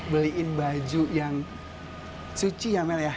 beliin baju yang suci ya mel ya